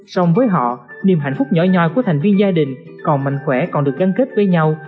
sông với họ niềm hạnh phúc nhỏ nhoi của thành viên gia đình còn mạnh khỏe còn được gắn kết với nhau